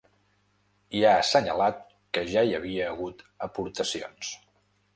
I ha assenyalat que ja hi havia hagut aportacions.